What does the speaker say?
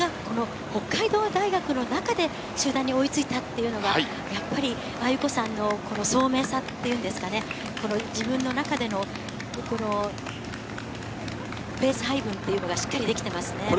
北海道大学の中で集団に追いついたというのが、亜由子さんの聡明さ、自分の中でのペース配分というのがしっかりできていますね。